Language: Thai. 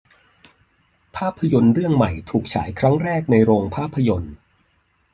ภาพยนตร์เรื่องใหม่ถูกฉายครั้งแรกในโรงภาพยนตร์